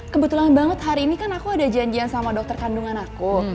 kebetulan banget hari ini kan aku ada janjian sama dokter kandungan aku